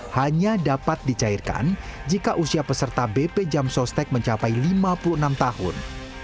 hanya dapat dicairkan jika usia peserta bpjs mencapai lima puluh enam tahun